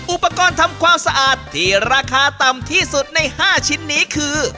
อุปกรณ์ทำความสะอาดที่ราคาต่ำที่สุดใน๕ชิ้นนี้คือ